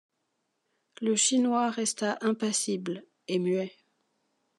Le Chinois resta impassible et muet.